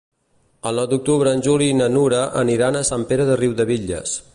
El nou d'octubre en Juli i na Nura aniran a Sant Pere de Riudebitlles.